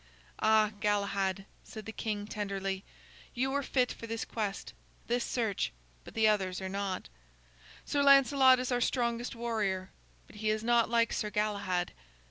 '" "Ah, Galahad," said the king, tenderly, "you are fit for this quest, this search, but the others are not. Sir Lancelot is our strongest warrior, but he is not like Sir Galahad.